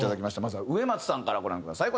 まずは植松さんからご覧ください。